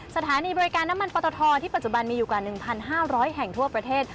สถานีบริการน้ำมันปอตทที่ปัจจุบันมีอยู่กว่า๑๕๐๐แห่งทั่วประเทศ